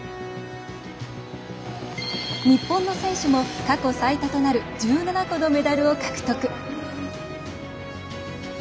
日本の選手も過去最多となる１７個のメダルを獲得。